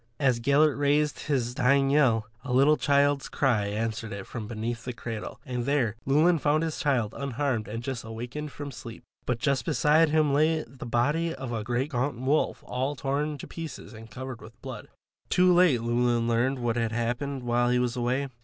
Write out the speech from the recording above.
As Gellert raised his dying yell, a little child's cry answered it from beneath the cradle, and there Llewelyn found his child unharmed and just awakened from sleep. But just beside him lay the body of a great gaunt wolf all torn to pieces and covered with blood. Too late, Llewelyn learned what had happened while he was away.